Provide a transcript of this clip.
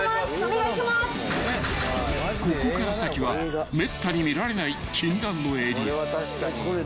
［ここから先はめったに見られない禁断のエリア］